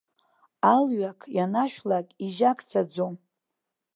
Алҩақ ианашәлак, ижьакцаӡом.